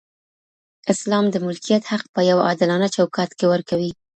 اسلام د ملکیت حق په یو عادلانه چوکاټ کي ورکوي.